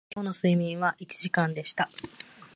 今日の睡眠は一時間でした